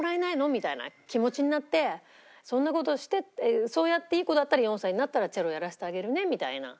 みたいな気持ちになってそんな事してっていうそうやっていい子だったら４歳になったらチェロやらせてあげるねみたいな。